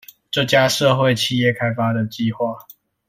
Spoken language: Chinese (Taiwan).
這家社會企業開發的計畫